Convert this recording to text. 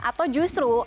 atau justru anda menilai